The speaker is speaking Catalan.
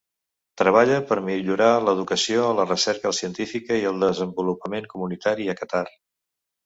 Treballa per millorar l'educació, la recerca científica i el desenvolupament comunitari a Qatar.